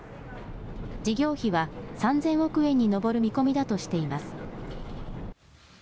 事業費は３０００億円に上る見込みだとしています。